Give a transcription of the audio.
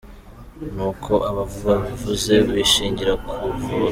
N’uko abo bavuzi bishingira kuvura